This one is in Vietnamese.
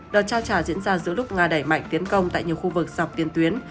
đợt trao trả diễn ra giữa lúc nga đẩy mạnh tiến công tại nhiều khu vực dọc tiên tuyến